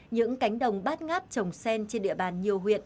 những cánh đồng bát ngát trồng sen trên địa bàn nhiều huyện